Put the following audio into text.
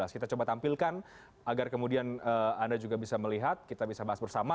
kita coba tampilkan agar kemudian anda juga bisa melihat kita bisa bahas bersama